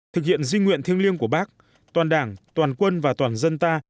thực hiện di nguyện thiêng liêng của bác toàn đảng toàn quân và toàn dân ta